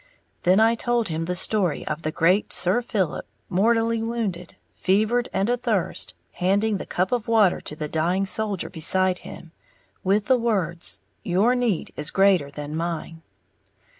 Then I told him the story of the great Sir Philip, mortally wounded, fevered and athirst, handing the cup of water to the dying soldier beside him, with the words, "Your need is greater than mine."